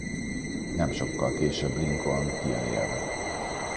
Nem sokkal később Lincoln kijön élve.